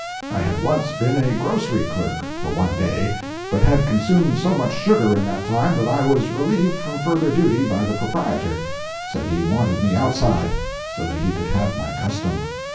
I had once been a grocery clerk, for one day, but had consumed so much sugar in that time that I was relieved from further duty by the proprietor; said he wanted me outside, so that he could have my custom.